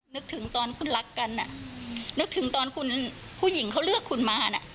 นึกถึงตอนคุณรักกันอ่ะนึกถึงตอนคุณผู้หญิงเขาเลือกคุณมาน่ะ